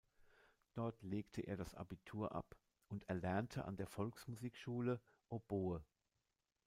Dort legte er das Abitur ab und erlernte an der Volksmusikschule Oboe.